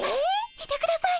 いてください